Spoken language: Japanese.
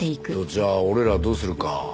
じゃあ俺らはどうするか？